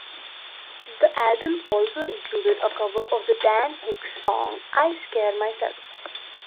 The album also included a cover of the Dan Hicks song "I Scare Myself".